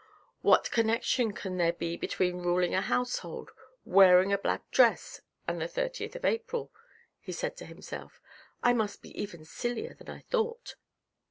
" What connection can there be between ruling a household, wearing a black dress, and the thirtieth April?" he said to himself. " I must be even sillier .han I thought."